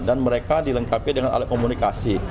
dan mereka dilengkapi dengan alat komunikasi